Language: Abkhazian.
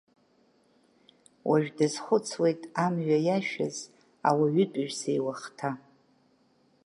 Уажә дазхәыцуеит амҩа иашәаз, ауаҩытәыҩса иуахҭа.